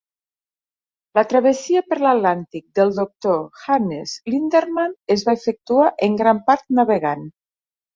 La travessia per l'Atlàntic del doctor Hannes Lindemann es va efectuar en gran part navegant.